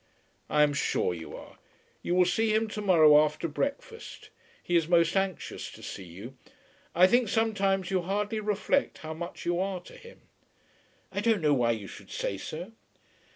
"I am sure you are. You will see him to morrow after breakfast. He is most anxious to see you. I think sometimes you hardly reflect how much you are to him." "I don't know why you should say so."